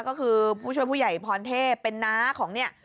ก็คือผู้ช่วยผู้ใหญ่พรเทพเป็นน้าของเนี่ย